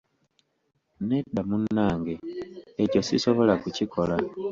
Nedda munange, ekyo sisobola kukikola.